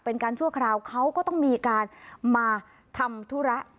ชั่วคราวเขาก็ต้องมีการมาทำธุระ